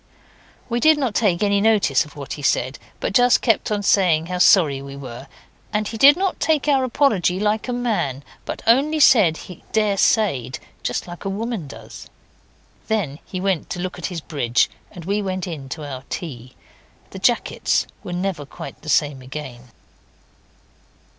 We did not take any notice of what he said, but just kept on saying how sorry we were; and he did not take our apology like a man, but only said he daresayed, just like a woman does. Then he went to look at his bridge, and we went in to our tea. The jackets were never quite the same again.